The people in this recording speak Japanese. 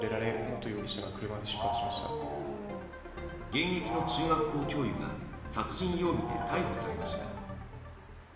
現役の中学校教諭が殺人容疑で逮捕されました。